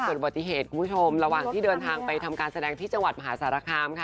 อุบัติเหตุคุณผู้ชมระหว่างที่เดินทางไปทำการแสดงที่จังหวัดมหาสารคามค่ะ